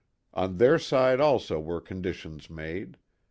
On their side also were conditions made.